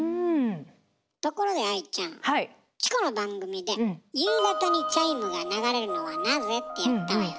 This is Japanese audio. ところで愛ちゃんチコの番組で「夕方にチャイムが流れるのはなぜ？」ってやったわよね。